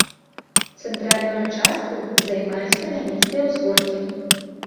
Цэнтральную частку займаюць камяністыя ўзгоркі.